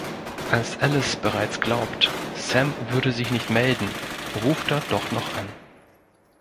Als Alice bereits glaubt, Sam würde sich nicht melden, ruft er doch noch an.